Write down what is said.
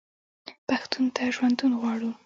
پښتون ته ژوندون غواړو.